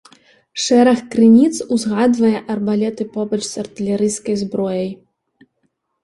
Шэраг крыніц узгадвае арбалеты побач з артылерыйскай зброяй.